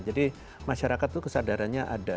jadi masyarakat tuh kesadarannya ada